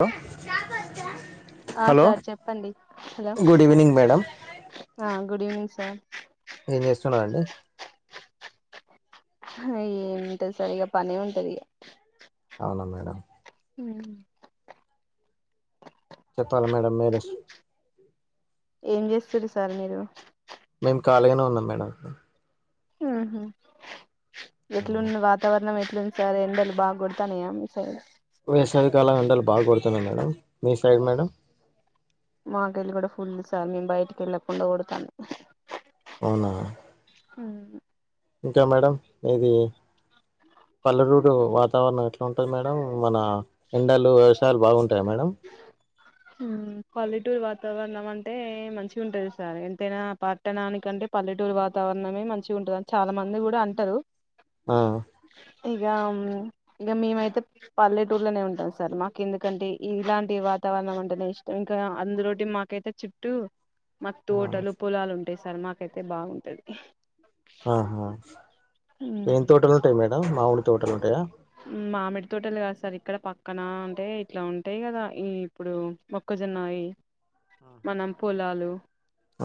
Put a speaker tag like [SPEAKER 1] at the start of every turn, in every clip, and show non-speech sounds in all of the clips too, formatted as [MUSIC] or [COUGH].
[SPEAKER 1] ఓ
[SPEAKER 2] ఆ సర్లే చెప్పండి హలో
[SPEAKER 1] గుడ్ ఈవినింగ్ మేడం
[SPEAKER 2] ఆ గుడ్ ఈవినింగ్ సార్
[SPEAKER 1] ఏం చేస్తున్నారండి
[SPEAKER 2] ఏముంటది సార్ ఇగా పనే ఉంటది ఇక
[SPEAKER 1] అవునా మేడం
[SPEAKER 2] ఉ
[SPEAKER 1] చెప్పాలి మేడం మీరు
[SPEAKER 2] ఏం చేస్తారు సార్ మీరు
[SPEAKER 1] ఖాళీ గానే ఉన్నాం మేడం
[SPEAKER 2] ఎట్లు వాతావరణం ఎ సార్ ఎండలు బాగా కొడతానుయా మస [UNINTELLIGIBLE] అదు
[SPEAKER 1] వేసవి కాలం ఎండలు బాగు కోడుతున్నా మేడం మీ సైడ్ మేడం
[SPEAKER 2] మాకెళ్ళి కూడ ఫుల్ సార్ మేము బయటికి వెళ్ళకుండా కొడతానా
[SPEAKER 1] హు
[SPEAKER 2] అవు
[SPEAKER 1] ఇంకా మేడం ఇది పల్లె రూడు వాతావరణం ఎట్లా ఉంటది మేడం మన ఎండలు వర్షాలు బాగుం
[SPEAKER 2] పాలీటూర్ వ వాతావరణం అంటే మంచి ఉంటది సార్ ఎంతైనా పట్టనానికంటే పల్లెటూరు వాతావరణమే మంచి ఉంటది అని చాలా మంది కూడా అంటారు
[SPEAKER 1] ఆ
[SPEAKER 2] ఇక ఇక మేమైతే పల్లెటూర్లోనే ఉంటాం సార్ మాకు ఎందుకంటే ఇలాంటి వాతావరణం అంటేనే ఇష్టం ఇంకా అందులోటి మాకైతే చుట్టూ తోటలు పొలాలు ఉంటాయి సార్ మాకైతే బాగుంటది
[SPEAKER 1] ఆహా ఏం తోటలు ఉంటాయి మేడం మామిడి తోటలు ఉంటాయ
[SPEAKER 2] మామిడి తోటలు కాదు సార్ ఇక్కడ పక్కన అంటే ఇట్లా ఉంటాయి కదా ఈ ఇప్పుడు మొక్క [UNINTELLIGIBLE] మనం పొలాలు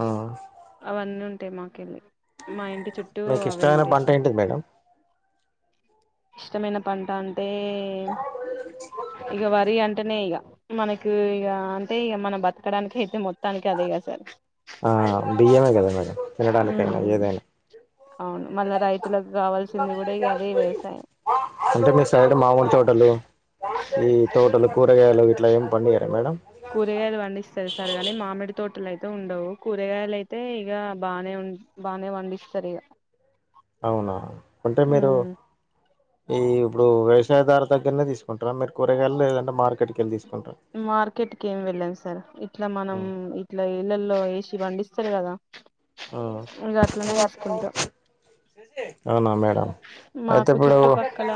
[SPEAKER 1] ఆ
[SPEAKER 2] అవన్నీ ఉంటాయి మాకెళ్ళి మా ఇంటి చుట్టూ
[SPEAKER 1] మీకు
[SPEAKER 2] అవే
[SPEAKER 1] ఇష్టమైన
[SPEAKER 2] ఉంటాయి
[SPEAKER 1] పంట
[SPEAKER 2] సార్
[SPEAKER 1] ఏంటిది మేడం
[SPEAKER 2] ఇష్టమైన పంట అంటే ఇక వరి అంటేనే ఇక మనకి ఇక అంటే ఇక మనం బతకడానికి అయితే మోత
[SPEAKER 1] ఆ బియ్యమే కదా మేడం తినడానికైనా
[SPEAKER 2] ఉమ్
[SPEAKER 1] ఏదైనా
[SPEAKER 2] అవును మళ్ళ రైతులకు కావాల్సింది కూడా అదే వ్యవసాయం
[SPEAKER 1] అంటే మీ సైడ్ మామీడి తోటలు ఈ తోటలు కూరగాయలు ఇట్లా ఏమి పండియార మేడం
[SPEAKER 2] కూరగాయలు పండిస్తారు సారు గానీ మామిడి తోటలు అయితే అయి ఉండవు కూరగాయలు అయితే ఇక బానే బాగానే పండిస్తారు ఇక
[SPEAKER 1] అవునా అంటే మీరు ఈ ఇప్పుడు వ్యవసయదరూ దగ్గరనే తీసుకుంటారా మీరు కురగాయలు లేదంటే మార్కెట్కి వెల్లి తీ
[SPEAKER 2] మార్కెట్ కి ఏం వెళ్ళం సార్ ఇట్లా మనం
[SPEAKER 1] ఉమ్,
[SPEAKER 2] ఇట్లా ఇళ్లలో వ ఇ పండిస్తారు కదా
[SPEAKER 1] ఆ
[SPEAKER 2] ఇగ అట్లనే తీసుకుంటాం
[SPEAKER 1] అవున మేడమ్
[SPEAKER 2] మాకు చుట్టుపక్కల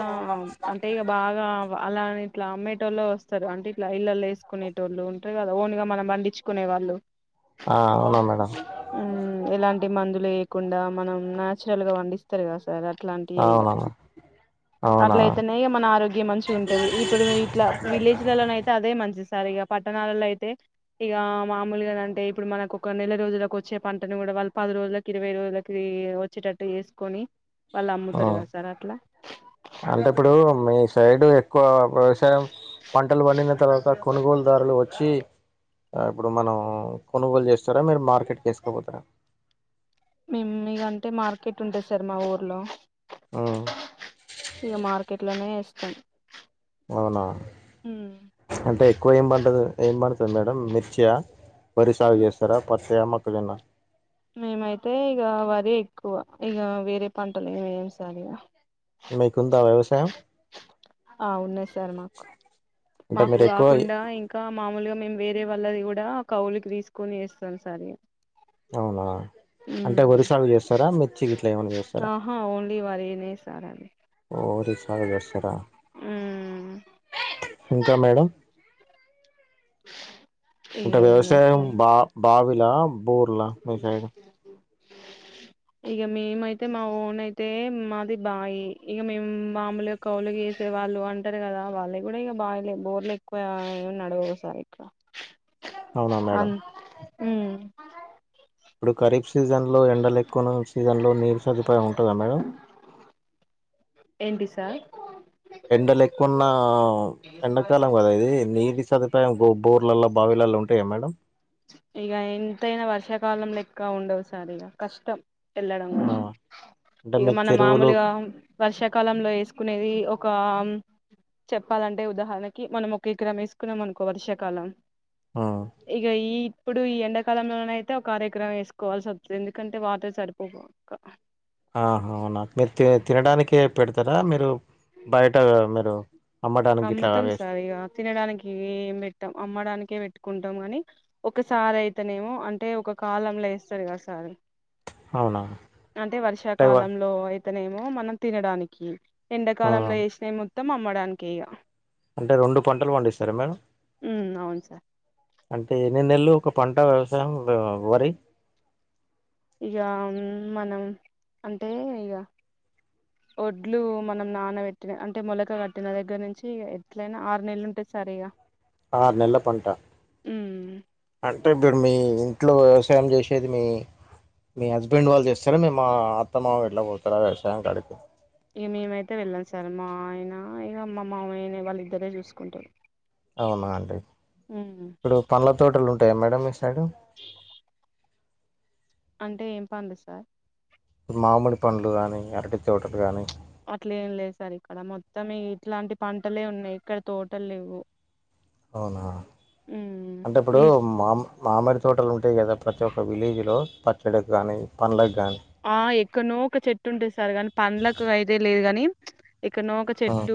[SPEAKER 2] అంటే ఇక బాగా అలా ఇట్లా అమ్మేటోళ్ళ వస్తారు అంటే ఇట్లా ఇల్లలు వేసుకునే తోళు ఉంటారు కదా ఓన్ గా మనం పండించుకునే వాళ్ళు
[SPEAKER 1] ఆ అవునా మేడం
[SPEAKER 2] కుండా మనం నాచురల్ గా పండిస్తారు కదా సార్ అట్లాంటివే ఇగ
[SPEAKER 1] అవునా అవునా
[SPEAKER 2] అట్ల అయితేనే మన ఆరోగ్యం మంచిగా ఉంటది ఇప్పుడు ఇట్లా విలేజ్లలో అయితే అదే మంచి స ఇ పట్టణాలలో అయితే ఇక మామూలుగాంటే ఇప్పుడు మనకు ఒక నెల రోజులలకు వచ్చే పంటను కూడా వాళ్ళ పది రోజులకి ఇరవై రోజులకి వచ్చేటట్టు చేసుకొని వాళ్ళు అమ్ముతారు
[SPEAKER 1] ఆ
[SPEAKER 2] కదా సార్ అట్లా
[SPEAKER 1] సైడు ఎక్కువ వ్యవసాయం పంటలు పండిన తర్వాత కొనుగోలుదారులు వచ్చి ఇప్పుడు మనం కొనుగోలు చేస్తారా మీరు మార్కెట్కి వేసుకోపోతారా
[SPEAKER 2] మేము మీకంటే మార్కెట్ ఉంటాంది సార్ మా ఊర్లో ఇక మార్కెట్లనే ఏస్తాం
[SPEAKER 1] అవునా అంటే ఎక్కువ ఏం పండు ఏం పడుతుంది మేడమ్ మిర్చి వరి సాగు చేస్తారా పత్త మొక్కజోన్న
[SPEAKER 2] మేమైతే ఇక వరి ఎక్కువ ఇక వేరే పంటలు ఏమి ఇయ్యాము సార్ ఇగా
[SPEAKER 1] మీకుంద వ్యవసాయం
[SPEAKER 2] ఆ ఉన్నది సార్ మాకు
[SPEAKER 1] అంటే
[SPEAKER 2] మాకు
[SPEAKER 1] మీరు ఎక్కువ
[SPEAKER 2] కాకుండా ఇంకా మామూలుగా మేము వేరే వాళ్ళది కూడా కవులకి తీసుకొని చేస్తాం సార్
[SPEAKER 1] అవునా అంటే వరుసాలు చేస్తారా మిర్చి గిట్ల ఏమైనా చేస్తారా
[SPEAKER 2] ఆహా ఓన్లీ వరినే సార్ అది
[SPEAKER 1] వరిసాలు చేస్తారా
[SPEAKER 2] ఉమ్
[SPEAKER 1] ఇంకా మేడం అంటే
[SPEAKER 2] ఏమున్నాయి
[SPEAKER 1] వ్యవసాయం
[SPEAKER 2] సార్
[SPEAKER 1] బా బావిలా బోర్లా మీ సైడ్
[SPEAKER 2] ఇక మేమయితే మా ఓన్ అయితే మాది బాయి ఇక మేము మామలుగా కౌలకి వేసి వాళ్ళు అంటారు కదా వాళ్ళు కూడా ఇక బాయిలే బోర్లు ఎక్కువ నడవవు సార్ ఇక్కడ
[SPEAKER 1] అవునా మేడం
[SPEAKER 2] హూ
[SPEAKER 1] ఇప్పుడు క సీజన్లో ఎండలు ఎక్కువ సీజన్లో నీరు సదుపాయం ఉంటుంద మేడం
[SPEAKER 2] ఏంటి సార్
[SPEAKER 1] ఎండలు ఎక్కువున్న ఎండాకాలం కదా ఇది నీటి సదుపాయం బోర్లల్లో బావిలలో ఉంట యా మేడం
[SPEAKER 2] ఇక ఎంతైనా వర్షాకాలం లెక్క ఉండవు సార్ ఇక కష్టం ఎలడము
[SPEAKER 1] ఆ! అంటే
[SPEAKER 2] ఇక
[SPEAKER 1] మీ
[SPEAKER 2] మనం
[SPEAKER 1] చెరువులు
[SPEAKER 2] మామూలుగా వర్షాకాలంలో వేసుకునేది ఒక చెప్పాలంటే ఉదాహరణకి మనం ఒక ఎకరం వేసుకున్నాం అనుకో వర్షాకాలం
[SPEAKER 1] ఆ
[SPEAKER 2] ఇగా ఈ ఇప్పుడు ఈ ఎండాకాలంలోన అయితే ఒక అరెకురం వేసుకోవాల్సి వస్తుంది ఎందుకంటే వాటర్ సరిపో
[SPEAKER 1] ఆహ అవునా మీరు తిను తినడానికే పెడతారా మీరు బయట మీరు అమ్మడానికి ఇట్లా
[SPEAKER 2] అమ్ముతాం
[SPEAKER 1] వేస్త
[SPEAKER 2] సార్ ఇగ తినడానికి ఏం పెట్టాం అమ్మడానికే పెట్టుకుంటాం గని ఒకసారి అయితేనేమో అంటే ఒక కాలంలో వేస్తరు కదా సార్
[SPEAKER 1] అవునా
[SPEAKER 2] అంటే వర్షాకాలంలోయి ఏమో మనం తినడానికి ఎండకాలంలో
[SPEAKER 1] హ్మ్.
[SPEAKER 2] వేసినయి మొత్తం అమ్మడానికి ఇగా
[SPEAKER 1] అంటే రెండు పంటలు పండిస్తారా మేం
[SPEAKER 2] ఉమ్, అవును సార్
[SPEAKER 1] అంటే ఎన్ని నెల్లు పంట వ్యవసాయం వరి
[SPEAKER 2] ఇగా మనం అంటే ఇగా ఒడ్లు మనం నానబెట్టిన అంటే మొలక కట్టిన దగ్గర నుంచి ఎట్లైనా ఆరు నెలలు ఉంటే సరీగా
[SPEAKER 1] ఆరు నెల్ల పంట
[SPEAKER 2] ఉమ్
[SPEAKER 1] మీ ఇంట్లో వ్యవసాయం చేసేది మీ మీ హస్బెండ్ వాళ్ళు చేస్తారా మే మా అత్తమ్మమ ఎట్లా పోతారా వ్యవసాయం కాడికి
[SPEAKER 2] ఇగా మేమైతే వెళ్ళాం సార్ మా ఆయన ఇగా మా మామయ్యనే వాళ్లు ఇద్దరే చూసుకుంటారు
[SPEAKER 1] అవునా
[SPEAKER 2] ఉమ్
[SPEAKER 1] ఇప్పుడు పండ్ల తోటలు ఉంటాయా మేడం మీ సైడు
[SPEAKER 2] అంటే ఏం పండు సార్
[SPEAKER 1] మామిడి పండ్లు గానీ అరటి తోటలు గాని
[SPEAKER 2] అట్లే ఏం లేదు సార్ ఇక్కడ మొత్తం ఇట్లాంటి పంటలే ఉన్నాయి ఇక్కడ తోటలు లేవు
[SPEAKER 1] అవునా
[SPEAKER 2] ఉమ్
[SPEAKER 1] అంటే ఇప్పుడు
[SPEAKER 2] మీ
[SPEAKER 1] మామ్ మామిడి తోటలు ఉంటాయి కదా ప్రతి ఒక్క విలేజ్లో పచ్చడికి గానీ పండ్లకి
[SPEAKER 2] ఆ ఎక్కనో ఒక చెట్టు ఉంటే సారు గాని పండ్లకు ఐడియా లేదు గాని ఎక్కడనో ఒక చెట్టు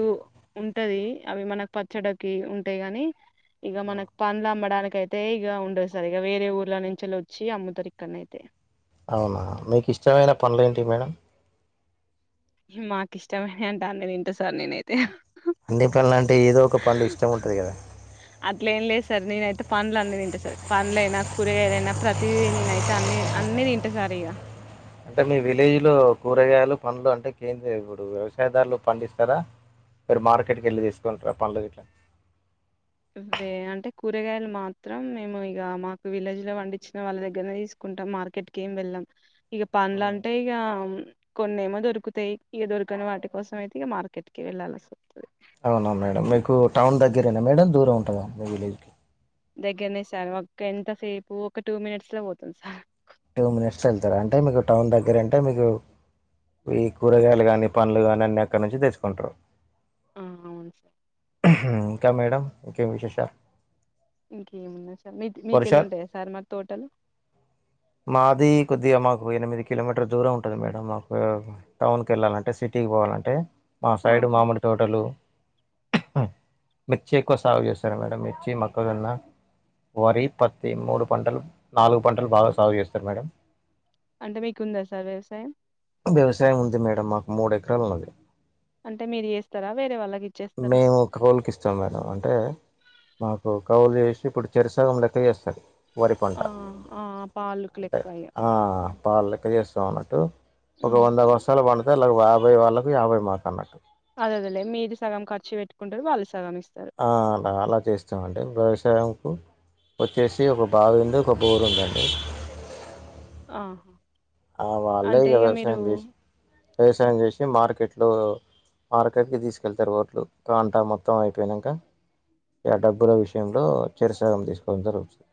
[SPEAKER 2] ఉంటది అవి మనకు పచ్చడకి ఉంటాయి గాని ఇగా మనకు పండ్లు అమ్మడానికి అయితే ఇగ ఉండదు సార్ ఇగా వేరే ఊర్ల నుంచి వచ్చి అమ్ముతారు ఇక్కడనాయితే
[SPEAKER 1] అవునా మీకు ఇష్టమైన పండ్లు ఏంటివి మేడం
[SPEAKER 2] మాకు ఇష్టమైన అంటే అన్ని తింటే సార్ నేనైతే
[SPEAKER 1] అన్ని పండ్లు అంటే ఏదో ఒక పండు ఇష్టం ఉంటుంది కదా
[SPEAKER 2] అట్లే ఏం లేదు సార్ నేను నేనైతే పండ్లు అన్ని తింటా సా పనులైన కూరగాయలైనా ప్రతి నేను అయితే అన్ని అన్ని తింటే సార్ ఇగా
[SPEAKER 1] అంటే మీ విలేజ్ లో కూరగాయలు పండ్లు అంటే కేం ఇప్పుడు వ్యవసాయదారులు పండిస్తారా మీరు మార్కెట్కి వెళ్ళి తీసుకుంటార పండ్లు గిట్ల
[SPEAKER 2] అవ్వే అంటే కూరగాయలు మాత్రం మేము ఇగా మాకు విలేజ్ లో పండించిన వాళ్ళ దగ్గరనే తీసుకు టాం మార్కెట్కి ఏం వెళ్ళాం ఇగ పండ్లు
[SPEAKER 1] హ్మ్.
[SPEAKER 2] అంటే ఇగ కొన్నేమో దొరుకుతాయి ఇగా దొరికని వాటి కోసం అయితే ఇగా మార్కెట్ కి వెళ్లాల్సి వస్తది
[SPEAKER 1] అవునా మేడం మీకు టౌన్ దగ్గరేనా మేడం దూరం ఉంటదా మీ విలేజ్కి
[SPEAKER 2] దగ్గరనే సార్ ఒక ఎంతసేపు ఒక టూ మినిట్స్ లో పోతం సార్
[SPEAKER 1] టూ మినిట్స్ వెళ్తారా అంటే మీకు టౌన్ దగ్గర అంటే మీకు ఈ కూరగాయలు గాని పండ్లు గాని అన్ని అక్కడ నుంచి తెచ్చుకుంటారు
[SPEAKER 2] ఆ అవును సార్
[SPEAKER 1] ఇంకా మేడం ఇంకేం విశేషాలు
[SPEAKER 2] ఇంకేమున్నాది సార్ మీ మీకెళ్ళి
[SPEAKER 1] వర్షాలు
[SPEAKER 2] ఉంటాయా సార్ మారి తోటలు
[SPEAKER 1] మాది కొద్దిగా మాకు ఎనిమిది కిలోమీటర్ దూరం ఉంటుంది మేడ మాకు టౌన్ కి వెళ్లాలంటే సిటీకి పోవా అంటే మా సైడ్
[SPEAKER 2] ఆహా
[SPEAKER 1] మామిడి తోటలు మిర్చి ఎక్కువ సాగు చేస్తారు మేడం మిర్చి, మొక్క జొన్న వరి, పత్తి మూడు పంటలు నాలుగు పంటలు బాగా సాగు చేస్తారు మేడం
[SPEAKER 2] అంటే మీకుందా సార్ వ్యవసాయం
[SPEAKER 1] వ్యవసాయం ఉంది మేడం మాకు మూడు ఎకరాలు ఉన్నది
[SPEAKER 2] అంటే మీరు చేస్తార వేరే వాళ్ళకి ఇచ్చేస్తారా
[SPEAKER 1] మేము కౌలుకి ఇస్తాం మేడం అంటే మాకు కౌలు చే ఇప్పుడు చెరు సాగం లె చేస్తాడు వరి పంట
[SPEAKER 2] ఆ ఆ పాలుకు
[SPEAKER 1] అంటే
[SPEAKER 2] లెక్క ఇగ
[SPEAKER 1] పాలు లెక్క చేస్తా ఉన్నట్టు ఒక వంద వర్షాలు పడితేయి అలా యాభై వాళ్ళకు యాభై మాకు అన్నట్టు
[SPEAKER 2] అదేదలే మీది సగం ఖర్చు పెట్టుకుంటారు వాళ్ళు సగం ఇస్తారు
[SPEAKER 1] ఆ అలా అలా చేస్తామండి వ్యవసాయంకు వచ్చేసి ఒక బావి ఉంది ఒక బఊరు ఉందండి
[SPEAKER 2] ఆహా
[SPEAKER 1] ఆ వల్లే
[SPEAKER 2] అంటే
[SPEAKER 1] గా
[SPEAKER 2] ఇగ
[SPEAKER 1] వ్యవసాయ
[SPEAKER 2] మీరు
[SPEAKER 1] చేష్ వ్యవసాయం చేష్ వచ్చే మార్కెట్లో మార్కెట్కి తీసుకెళ్తారు ఓట్లు కాంట మొత్తం అయిపోయినాక డబ్బుల విషయంలో చిరసగం తీసుకోవడం జరుగుతుంది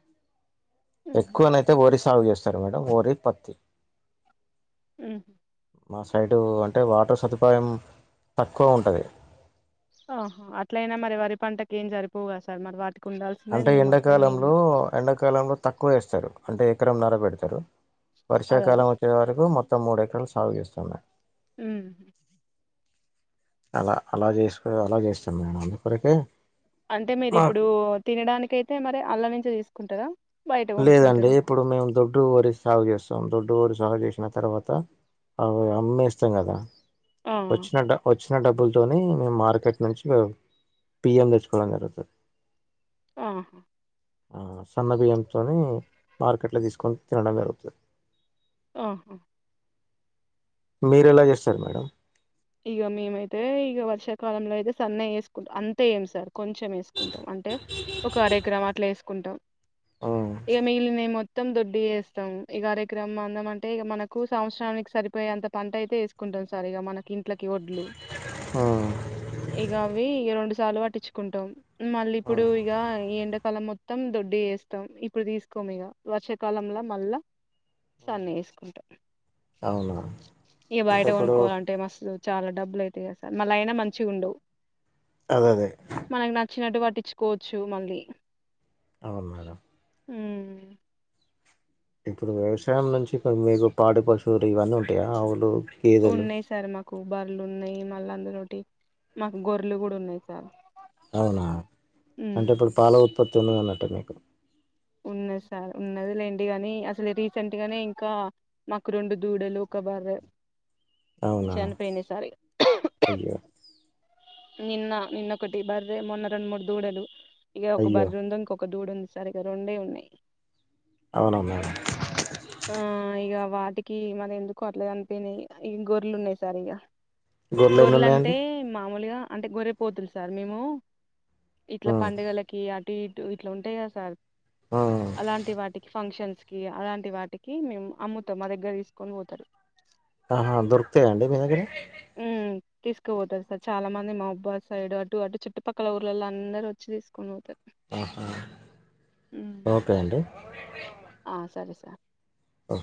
[SPEAKER 2] ఉహు
[SPEAKER 1] ఎక్కువనైతే వరి సాగు చేస్తారు మేడం వోరి పత్తి
[SPEAKER 2] ఆ
[SPEAKER 1] మా సైడు అంటే వాటర్ సదుపాయం తక్కువ ఉంటుంది
[SPEAKER 2] ఆహా అట్లయినా మరి వరి పంటకి ఏం సరిపోగా సార్ మరి వాటికి ఉండాల్సిందే
[SPEAKER 1] అంటే
[SPEAKER 2] నీ మొత్తం
[SPEAKER 1] ఎండాకాలంలో
[SPEAKER 2] నీళ్ళు
[SPEAKER 1] ఎండాకాలంలో తక్కువ వేస్తారు అంటే ఎకరం నరబెడతారు
[SPEAKER 2] అదే అదే
[SPEAKER 1] వర్షాకాలం వచ్చే వరకు మొత్తం మూడెకరాలు సాగు చేస్తున్నాయి
[SPEAKER 2] ఆ
[SPEAKER 1] అలా అలా చేసుకో అలా చేస్తాను నేను అంతకరకే
[SPEAKER 2] అంటే మీరి ఇప్పుడు తినడానిక అయితే మరి అల్లవించ తీసుకుంటందా
[SPEAKER 1] లేదండి ఇప్పుడు మేము దొడ్డు వరి సాగు చేస్తాం దొడ్డు వరి చేిన తర్వాత అ అమ్మేస్తాం కదా
[SPEAKER 2] ఆ
[SPEAKER 1] వచినంక వచ్చిన డబ్బులతో మేము మార్కెట్ నుంచి పియ్యం తెచ్చుకోవడం జరుగుతుంది
[SPEAKER 2] ఆహా
[SPEAKER 1] సన్నబియ్యంతోని మార్కెట్లో తీసుకొని తినడం జరుగుతుంది
[SPEAKER 2] ఆహా
[SPEAKER 1] మీరు ఎలా చేస్తారు మేడం
[SPEAKER 2] ఇక మేమైతే ఈక వర్షాకాలంలో అయితే సన్న వేసుకుంట అంతే ఏం సార్ కొంచెం వేసుకుంటాం అంటే ఒక అరై గ్రాం అట్లా వేసుకుంటాం
[SPEAKER 1] ఉమ్,
[SPEAKER 2] ఇక మిగిలిన ఏమో మొత్తం దొడ్డి వేస్తాం ఈ కార్యక్రమం అందం అంటే ఇక మనకు సంవత్సరానికి సరిపోయే అంత పంట అయితే వేసుకుంట ఉంట సరిగా మనకి ఇంట్లకి ఒడ్లు
[SPEAKER 1] ఆ
[SPEAKER 2] ఇక అవి ఇక రెండు సార్లు పట్టించుకుంటాం మళ్ళీ ఇప్పుడు ఇక ఎండకల మొత్తం దొడ్డి వేస్తాం ఇప్పుడు తీసుకోము ఇగా వర్షాకాలంంలో మళ్ళా సన్న వేసుకుంటాం
[SPEAKER 1] అవునా
[SPEAKER 2] ఇక
[SPEAKER 1] అంటే
[SPEAKER 2] బయట
[SPEAKER 1] ఇప్పుడు
[SPEAKER 2] కొనుక్కోవాలంటే మస్తు చాలా డబ్బులు అయితే కద సార్ మళ్ళ అయినా మంచి ఉండవు
[SPEAKER 1] అదే అదే
[SPEAKER 2] మనకి నచ్చినట్టు వా పట్టించుకోవచ్చు మళ్ళీ
[SPEAKER 1] అవున
[SPEAKER 2] ఉ
[SPEAKER 1] ఇప్పుడు వ్యవసాయం నుంచి కొ మీకు పాడి పశువులు ఇవన్నీ ఉంటాయా వావుు
[SPEAKER 2] ఉన్నాయి సార్ మాకు బ్బార్లు ఉన్నాయి మళ్ళీ అందుతోటి మాకు గొర్రలు కూడా ఉన్నాయి సార్
[SPEAKER 1] అవునా అంటే
[SPEAKER 2] ఉమ్.
[SPEAKER 1] ఇప్పుడు పాల ఉత్పత్తి ఉన్నదన్నట్టే మీకు
[SPEAKER 2] ఉన్నది సార్ ఉన్నది లేంటి కాని అసలు రీసెంట్ గానే ఇంకా మకు రెండు దూడ లోక భారత
[SPEAKER 1] అవునా
[SPEAKER 2] చని పనే సార్
[SPEAKER 1] అయ్యో
[SPEAKER 2] నిన్న నిన్నొ ఒకటి బర్రే మొన్న రెండు మూడు దూడలు ఇక ఒక
[SPEAKER 1] అయ్యో
[SPEAKER 2] బర్రె ఉంది ఇంకొక దూడు ఉంది దగ్గర ఉండే ఉన్నాయి
[SPEAKER 1] అవుననువు
[SPEAKER 2] ఆ ఇక వాటికి మది ఎందుకో అట్లా అనిపోయినాయి ఈ గొర్లు ఉన్నాయి సార్ ఇగ
[SPEAKER 1] గొర్రెలు ఎన్ని ఉన్నాయండి
[SPEAKER 2] గొర్రెలంటే మామూలుగా అంటే గొర్రెపోతులు సార్ మేము ఇట్లా
[SPEAKER 1] ఉమ్,
[SPEAKER 2] పండుగలకి అటు ఇటు ఇట్లా ఉంటాయి కదా సార్
[SPEAKER 1] ఉమ్.
[SPEAKER 2] అలాంటి వాటికి ఫంక్షన్స్ స్కి అలాంటి వాటికి మేము అమ్ముతాం మా దగ్గర తీసుకొని పోతారు
[SPEAKER 1] ఆహా దొరుకుతాయి అండి మీ దగ్గర
[SPEAKER 2] ఉమ్ తీసుకుపోతారు సార్ చాలా మంది మౌబాద్ సైడ్ అటు అటు చుట్టుపక్కల ఊర్లల అందరు వచ్చి తీసుకొని పోతారు
[SPEAKER 1] ఆహా
[SPEAKER 2] ఉమ్
[SPEAKER 1] ఓకే అండి
[SPEAKER 2] ఆ సరే సార్
[SPEAKER 1] ఓకే